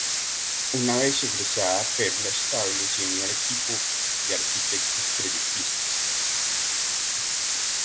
Una vez egresada Perla Estable se unió al equipo de arquitectos proyectistas.